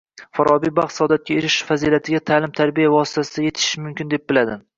Forobiy baxt-saodatga erishish fazilatiga ta’lim-tarbiya vositasida yetishish mumkin deb biladi